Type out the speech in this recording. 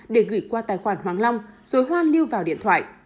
để gửi qua tài khoản hoáng long rồi hoan lưu vào điện thoại